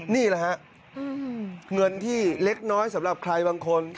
นี่แหละฮะเงินที่เล็กน้อยสำหรับใครบางคน